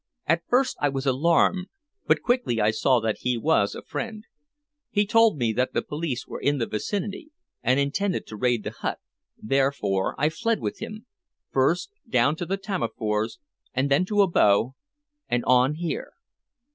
At first I was alarmed, but quickly I saw that he was a friend. He told me that the police were in the vicinity and intended to raid the hut, therefore I fled with him, first down to Tammerfors and then to Abo, and on here.